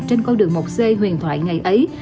trên con đường một c huyền thoại ngày ấy